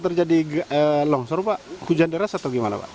terjadi longsor pak hujan deras atau gimana pak